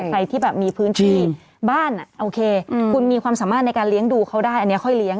ใครที่แบบมีพื้นที่บ้านโอเคคุณมีความสามารถในการเลี้ยงดูเขาได้อันนี้ค่อยเลี้ย